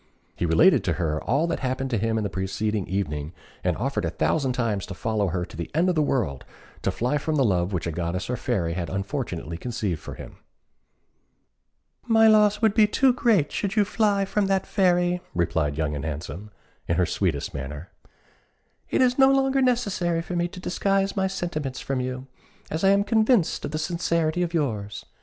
He related to her all that happened to him the preceding evening, and offered a thousand times to follow her to the end of the world to fly from the love which a goddess or a fairy had unfortunately conceived for him. "My loss would be too great should you fly from that fairy," replied Young and Handsome, in her sweetest manner. "It is no longer necessary for me to disguise my sentiments from you, as I am convinced of the sincerity of yours.